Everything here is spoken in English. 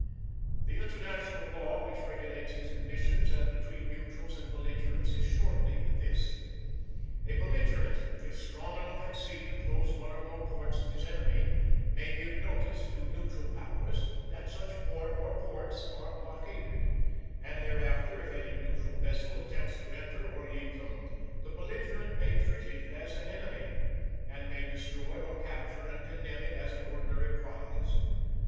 The International Law which regulates its conditions as between neutrals and belligerents is shortly this. A belligerent, if strong enough at sea to close one or more ports of his enemy, may give notice to Neutral Powers that such port or ports are blockaded, and thereafter if any neutral vessel attempts to enter or leave them, the belligerent may treat it as an enemy, and may destroy or capture and condemn it as an ordinary prize.